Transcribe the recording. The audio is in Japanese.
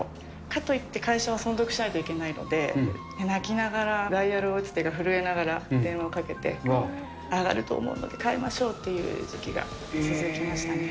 かといって、会社は存続しないといけないので、泣きながら、ダイヤル打つ手が震えながら電話をかけて、上がると思うので買いましょうっていう時期が続きましたね。